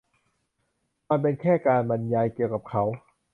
มันเป็นแค่การบรรยายเกี่ยวกับเขา